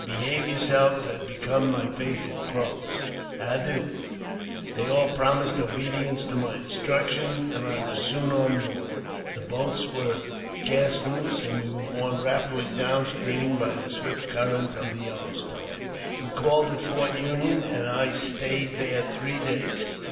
Behave yourselves as becomes my faithful Crows. Adieu !" They all promised obedience to my instructions, and I was AUTOBIOGBAPHY OF JAMES P. BECKWOUBTH. 313 soon on board. The boats were cast loose, and we were borne rapidly down stream by the swift current of the Yellow Stone. We called at Fort Union, and I stayed there three days.